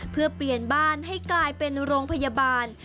เพื่อเปลี่ยนบ้านให้กลายเป็นโรงพยาบาล